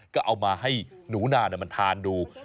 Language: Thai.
ก็เอามาให้หนูนามันทานดู